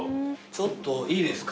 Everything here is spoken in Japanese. ちょっといいですか？